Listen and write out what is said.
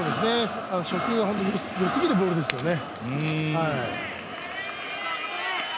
初球は本当に、よすぎるボールですよね。